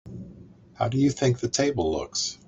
How do you think the table looks?